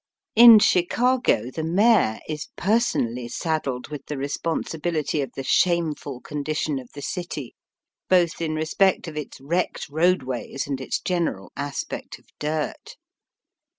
In Chicago the mayor is personally saddled with the responsibility of the shameful condi tion of the city, both in respect of its wrecked roadways and its general aspect of dirt.